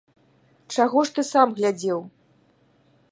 Чаго ж ты сам глядзеў?!